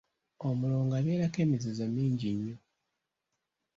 Omulongo abeerako emizizo mingi nnyo.